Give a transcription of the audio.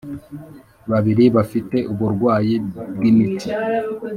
babiri bafite uburwayi bw'imitsi